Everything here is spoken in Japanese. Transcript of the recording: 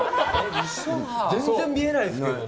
全然、見えないですけどね。